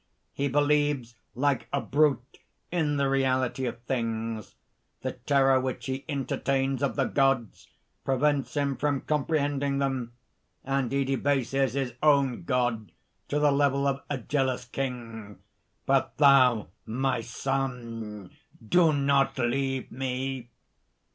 "He believes, like a brute, in the reality of things. The terror which he entertains of the Gods prevents him from comprehending them; and he debases his own God to the level of a jealous king! "But thou, my son, do not leave me!"